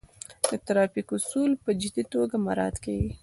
د ترافیک اصول په جدي توګه مراعات کیږي.